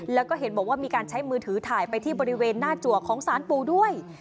แล้วก็เห็นบอกว่ามีการใช้มือถือถ่ายไปที่บริเวณหน้าจัวของสารปู่ด้วย